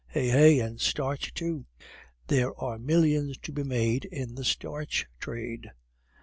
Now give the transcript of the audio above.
Hey! hey! and starch too; there are millions to be made in the starch trade!